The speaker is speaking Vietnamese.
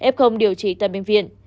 f điều trị tại bệnh viện